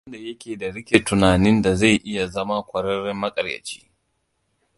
Babu wanda yake da rike tunanin da zai iya zama ƙwararren maƙaryaci.